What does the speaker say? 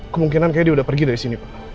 kemungkinan kayaknya dia udah pergi dari sini pak